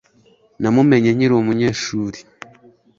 Namumenye nkiri umunyeshuri